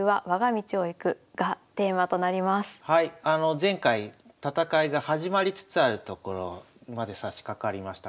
前回戦いが始まりつつあるところまでさしかかりました。